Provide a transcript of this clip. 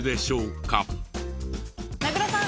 名倉さん